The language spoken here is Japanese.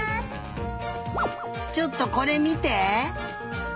ちょっとこれみて。